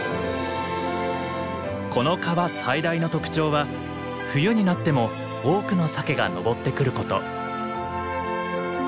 この川最大の特徴は冬になっても多くのサケが上ってくること。